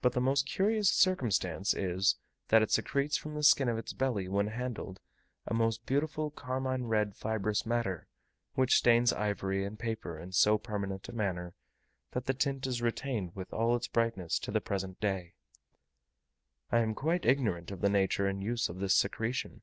But the most curious circumstance is, that it secretes from the skin of its belly, when handled, a most beautiful carmine red fibrous matter, which stains ivory and paper in so permanent a manner that the tint is retained with all its brightness to the present day: I am quite ignorant of the nature and use of this secretion.